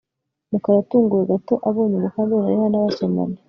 Mukara yatunguwe gato abonye Mukandoli na Yohana basomana